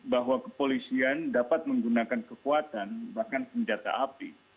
bahwa kepolisian dapat menggunakan kekuatan bahkan senjata api